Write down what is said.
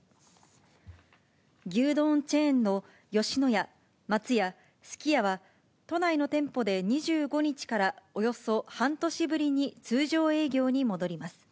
牛丼チェーンの吉野家、松屋、すき家は、都内の店舗で２５日から、およそ半年ぶりに通常営業に戻ります。